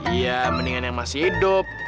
iya mendingan yang masih hidup